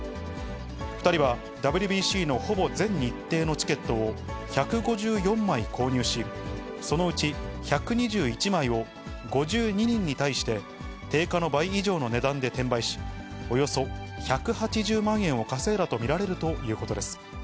２人はＷＢＣのほぼ全日程のチケットを１５４枚購入し、そのうち１２１枚を５２人に対して定価の倍以上の値段で転売し、およそ１８０万円を稼いだと見られるということです。